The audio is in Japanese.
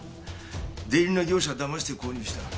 出入りの業者を騙して購入した。